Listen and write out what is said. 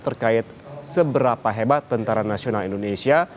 terkait seberapa hebat tentara nasional indonesia